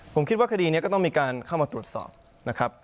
ผมคิดว่าคดีนี้ก็ต้องมีการเข้ามาตรวจสอบนะครับ